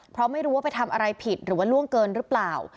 เพราะไม่รู้ว่าไปทำอะไรผิดหรือว่าล่วงเกินหรือเปล่า